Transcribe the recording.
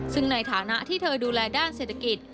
ซึ่งในฐานะที่เธอดูแลด้านเศรษฐกิจ